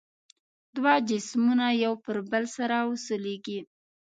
دوه جسمونه یو پر بل سره وسولیږي.